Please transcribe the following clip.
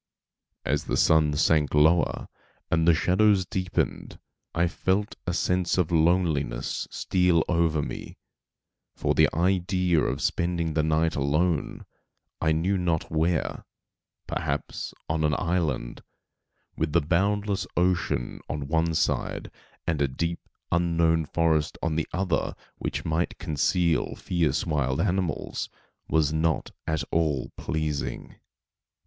As the sun sank lower and the shadows deepened, I felt a sense of loneliness steal over me, for the idea of spending the night alone, I knew not where, perhaps on an island, with the boundless ocean on one side, and a deep, unknown forest on the other which might conceal fierce wild animals, was not at all pleasing.